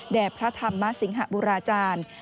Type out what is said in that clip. พระธรรมสิงหบุราจารย์